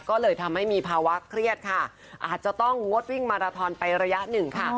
ก็เลยทำให้มีภาวะเครียดค่ะอาจจะต้องงดวิ่งมาราทอนไประยะหนึ่งค่ะ